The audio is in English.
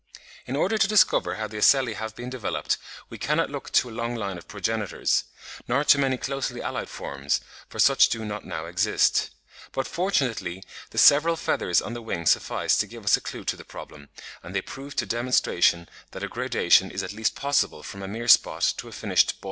In order to discover how the ocelli have been developed, we cannot look to a long line of progenitors, nor to many closely allied forms, for such do not now exist. But fortunately the several feathers on the wing suffice to give us a clue to the problem, and they prove to demonstration that a gradation is at least possible from a mere spot to a finished ball and socket ocellus.